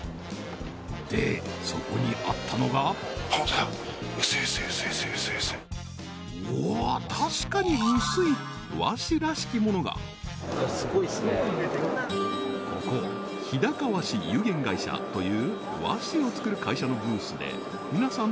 でそこにあったのがおお確かに薄い和紙らしきものがここひだか和紙有限会社という和紙を作る会社のブースで皆さん